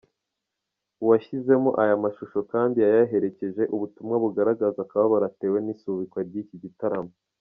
Uwashyizemo aya mashusho kandi yayaherekesheje ubutumwa bugaragaza akababaro atewe n’isubikwa ry’iki gitaramo.